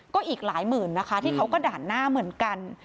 ก็อีกหลายหมื่นนะคะที่เขาก็ด่านหน้าเหมือนกัน